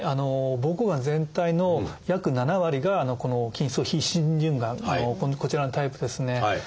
膀胱がん全体の約７割がこの筋層非浸潤がんのこちらのタイプですね。